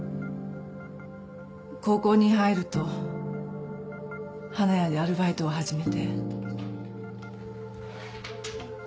高校に入ると花屋でアルバイトを始めて。